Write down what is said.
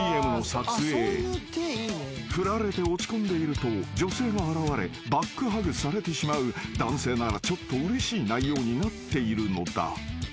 ［振られて落ち込んでいると女性が現れバックハグされてしまう男性ならちょっとうれしい内容になっているのだ］